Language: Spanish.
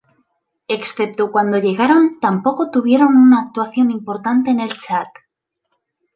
Excepto cuando llegaron, tampoco tuvieron una actuación importante en el chat.